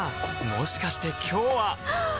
もしかして今日ははっ！